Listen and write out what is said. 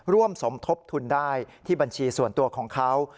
ร่วมสมทบทุนได้ที่บัญชีส่วนตัวของเขา